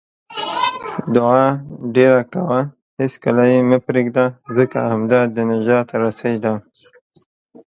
دعاء ډېره کوه، هیڅکله یې مه پرېږده، ځکه همدا د نجات رسۍ ده